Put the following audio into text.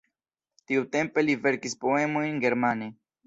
Tiutempe li verkis poemojn germane.